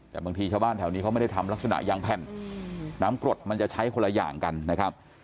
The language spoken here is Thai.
แต่บางทีชาวบ้านแถวนี้เขาไม่ได้ทำลักษณะยางแผ่นน้ำกรดมันจะใช้คนละอย่างกันนะครับ